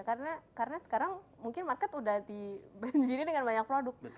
karena sekarang mungkin market udah dibenzirin dengan banyak produk